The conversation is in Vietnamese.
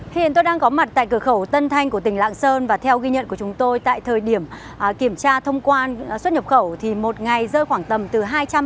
khiến tôi đang có mặt tại cửa khẩu tân thanh của tỉnh lạng sơn và theo ghi nhận của chúng tôi tại thời điểm kiểm tra thông qua xuất nhập khẩu